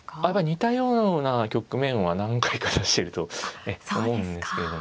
似たような局面は何回か指していると思うんですけれども。